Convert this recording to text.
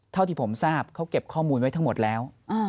เท่าที่ผมทราบเขาเก็บข้อมูลไว้ทั้งหมดแล้ว